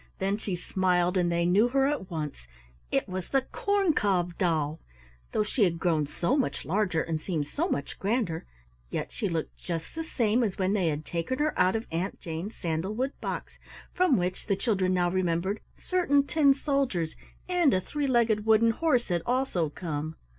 Then she smiled and they knew her at once. It was the corn cob doll! Though she had grown so much larger and seemed so much grander, yet she looked just the same as when they had taken her out of Aunt Jane's sandal wood box from which, the children now remembered, certain tin soldiers and a three legged wooden horse had also come!